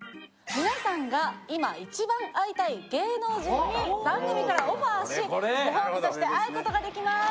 皆さんが今一番会いたい芸能人に番組からオファーしご褒美として会うことができます